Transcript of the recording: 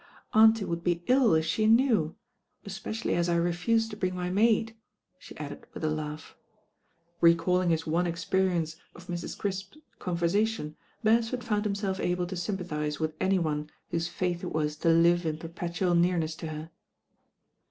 Auntie would be iU if she knew, especially as I refused to bring my maid," she added with a laugh. Recalling his one experience of Mrs. Crisp's conversation, Bereaford found himself able to sym paAise with any one whose fate it was to live in perpetual nearness to her.